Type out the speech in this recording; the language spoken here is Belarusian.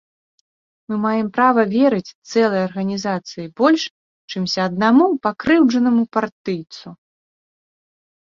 Мы маем права верыць цэлай арганізацыі больш, чымся аднаму пакрыўджанаму партыйцу.